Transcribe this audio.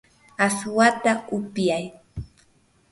aswata upuy.